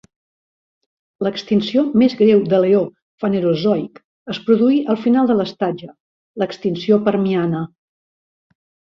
L'extinció més greu de l'eó Fanerozoic es produí al final de l'estatge: l'extinció permiana.